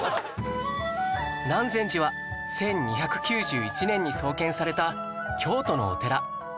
南禅寺は１２９１年に創建された京都のお寺